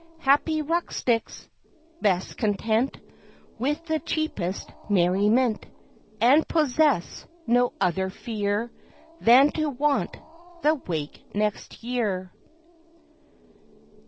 Happy rusticks! best content With the cheapest merriment; And possess no other fear, Than to want the Wake next year.